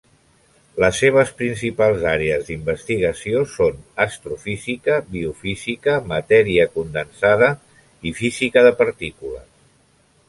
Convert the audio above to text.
Les seves principals àrees d’investigació són astrofísica, biofísica, matèria condensada i física de partícules.